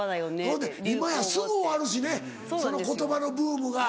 ほんで今やすぐ終わるしねその言葉のブームが。